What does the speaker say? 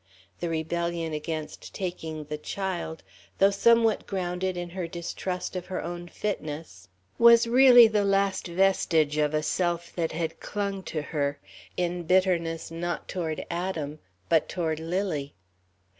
The rebellion against taking the child, though somewhat grounded in her distrust of her own fitness, was really the last vestige of a self that had clung to her, in bitterness not toward Adam, but toward Lily.